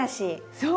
そう。